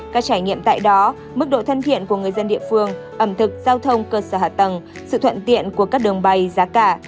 các trải nghiệm tại đó mức độ thân thiện của người dân địa phương ẩm thực giao thông cơ sở hạ tầng sự thuận tiện của các đường bay giá cả